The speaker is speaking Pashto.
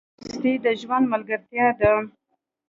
دوستي د ژوند ملګرتیا ده.